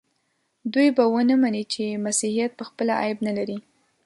دوی به ونه مني چې مسیحیت پخپله عیب نه لري.